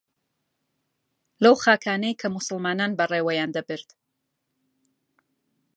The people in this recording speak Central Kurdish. لەو خاکانەی کە موسڵمانان بەڕێوەیان دەبرد